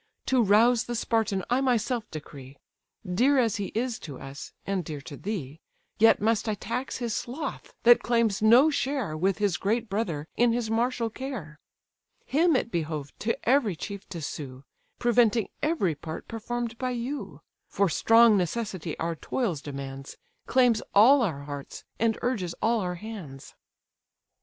To rouse the Spartan I myself decree; Dear as he is to us, and dear to thee, Yet must I tax his sloth, that claims no share With his great brother in his martial care: Him it behoved to every chief to sue, Preventing every part perform'd by you; For strong necessity our toils demands, Claims all our hearts, and urges all our hands."